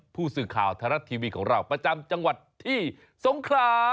ผู้สื่อข่าวไทยรัฐทีวีของเราประจำจังหวัดที่สงครา